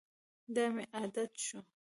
دا مې عادت شو.